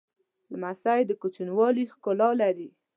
لمسی د کوچنیوالي ښکلا لري.